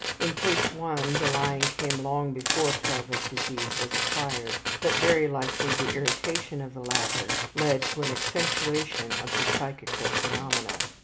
In Case 1 the lying came long before pelvic disease was acquired, but very likely the irritation of the latter led to an accentuation of the psychical phenomena.